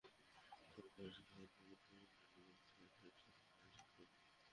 সবকিছু ঠিক থাকলে তৃতীয় দেশ হিসেবে ইংল্যান্ড দিবারাত্রির টেস্ট আয়োজন করবে।